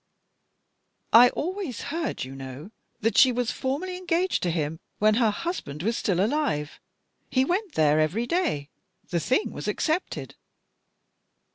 " I always heard, you know, that she was formally engaged to him when her husband was still alive. He went there every day. The thing was accepted."